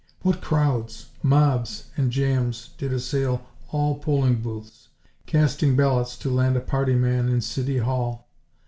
What crowds, mobs and jams did assail all polling booths, casting ballots to land a party man in City Hall!